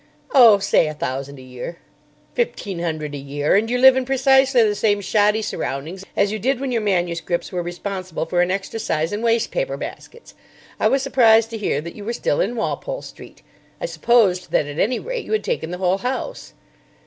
"Oh, say a thousand a year." "—Fifteen hundred a year, and you live in precisely the same shoddy surroundings as you did when your manuscripts were responsible for an extra size in waste paper baskets. I was surprised to hear that you were still in Walpole Street. I supposed that, at any rate, you had taken the whole house."